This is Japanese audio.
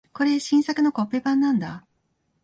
これ、新作のコッペパンなんだ。